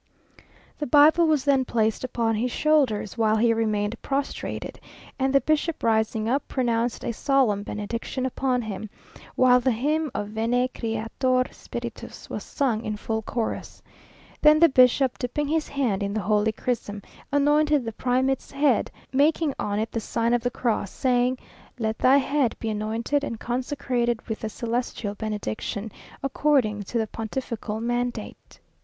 The Bible was then placed upon his shoulders, while he remained prostrated, and the bishop rising up, pronounced a solemn benediction upon him, while the hymn of "Veni Creator Spiritus," was sung in full chorus. Then the bishop, dipping his hand in the holy chrism, anointed the primate's head, making on it the sign of the cross, saying, "Let thy head be anointed and consecrated with the celestial benediction, according to the pontifical mandate."